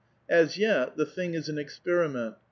As yet, the thing is an experiment.